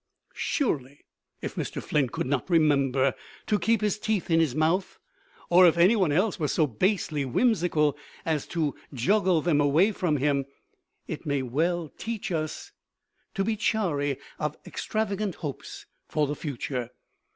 Surely, if Mr. Flint could not remember to keep his teeth in his mouth, or if any one else was so basely whimsical as to juggle them away from him, it may well teach us to be chary of extravagant hopes for the future.